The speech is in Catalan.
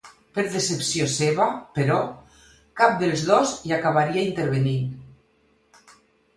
Per decepció seva, però, cap dels dos hi acabaria intervenint.